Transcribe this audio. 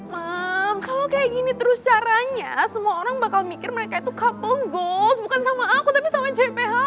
mam kalo kayak gini terus caranya semua orang bakal mikir mereka itu couple ghost bukan sama aku tapi sama jpho